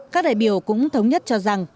các đại biểu cũng thống nhất cho rằng